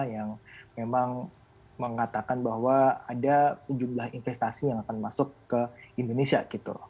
yang memang mengatakan bahwa ada sejumlah investasi yang akan masuk ke indonesia gitu